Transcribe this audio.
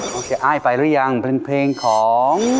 โอเคอ้ายไปหรือยังเป็นเพลงของ